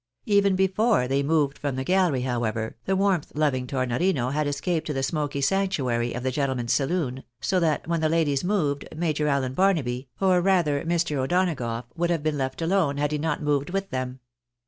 Even before they moved from the gallery, however, the warmth loving Tornorino had escaped to the smoky sanctuary of the gentlemen's saloon, so that when the ladies moved, ]Major Allen Barnaby, or rather Mr. O'Donagougli, would have been left alone, had he not moved with them.